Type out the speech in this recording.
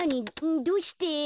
どうして？